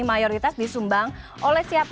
mayoritas disumbang oleh siapa